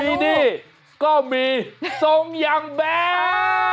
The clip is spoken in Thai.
ที่นี่ก็มีทรงอย่างแบร์